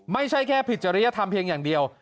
ไม่ใช่แค่ผิดจริยธรรมเพียงอย่างเดียว